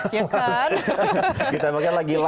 kita makanya lagi like nggak mungkin nolak